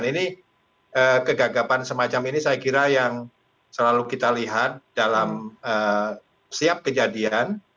ini kegagapan semacam ini saya kira yang selalu kita lihat dalam setiap kejadian